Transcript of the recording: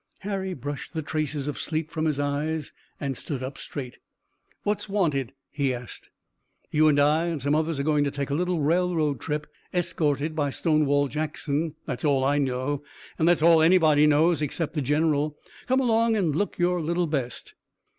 Harry brushed the traces of sleep from his eyes and stood up straight. "What's wanted?" he asked. "You and I and some others are going to take a little railroad trip, escorted by Stonewall Jackson. That's all I know and that's all anybody knows except the general. Come along and look your little best."